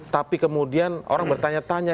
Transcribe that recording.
tapi kemudian orang bertanya tanya